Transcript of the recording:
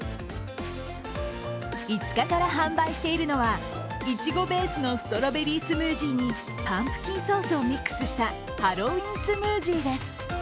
５日から販売しているのは、いちごベースのストロベリースムージーにパンプキンソースをミックスしたハロウィンスムージーです。